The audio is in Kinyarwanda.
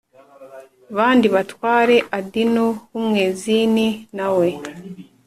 Bandi batware adino w umwezini na we